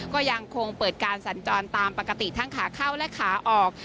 ก็ยังคงเปิดการสัญจรตามปกติทั้งขาเข้าและขาออก